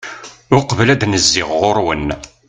uqbel ad n-zziɣ ɣur-wen